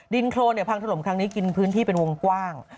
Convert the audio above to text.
โครนพังถล่มครั้งนี้กินพื้นที่เป็นวงกว้าง